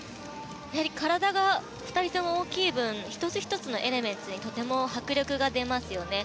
体が２人とも大きい分１つ１つのエレメンツにとても迫力が出ますよね。